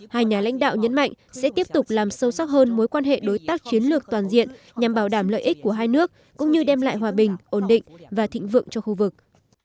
hai nhà lãnh đạo nhấn mạnh sẽ tiếp tục làm sâu sắc hơn mối quan hệ đối tác chiến lược toàn diện nhằm bảo đảm lợi ích của hai nước cũng như đem lại hòa bình ổn định và thịnh vượng cho khu vực